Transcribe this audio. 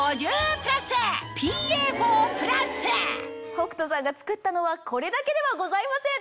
北斗さんが作ったのはこれだけではございません。